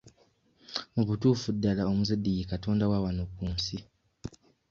Mu butuufu ddala omuzadde ye katonda wa wano ku nsi.